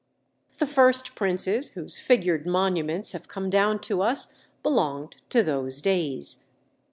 The first princes whose figured monuments have come down to us belonged to those days.